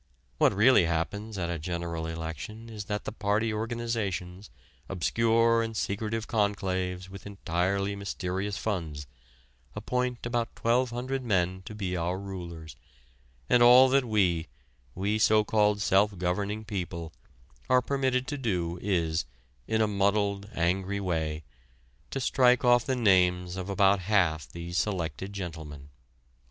What really happens at a general election is that the party organizations obscure and secretive conclaves with entirely mysterious funds appoint about 1200 men to be our rulers, and all that we, we so called self governing people, are permitted to do is, in a muddled angry way, to strike off the names of about half these selected gentlemen."